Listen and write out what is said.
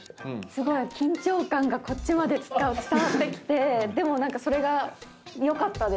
すごい緊張感がこっちまで伝わってきてでもそれがよかったです。